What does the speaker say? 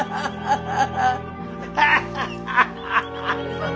ハハハハ！